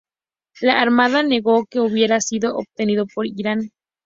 La Armada negó que hubiera sido obtenido por Irán.